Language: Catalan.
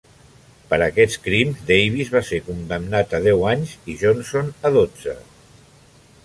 Per aquests crims, Davis va ser condemnat a deu anys i Johnson a dotze.